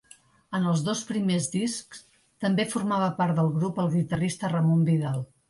En els dos primers discs també formava part del grup el guitarrista Ramon Vidal.